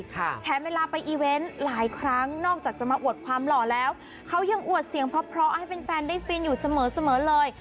แถมเวลาไปอีเวนต์หลายครั้งนอกจากจะมาอวดความหล่อแล้วเขายังอวดเสียงเพราะให้แฟนแฟนได้ฟินอยู่เสมอเสมอเลย